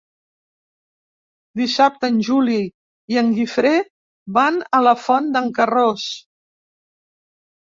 Dissabte en Juli i en Guifré van a la Font d'en Carròs.